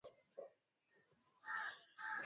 Wizara ya Mafuta.